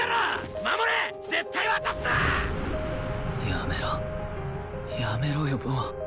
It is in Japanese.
やめろやめろよもう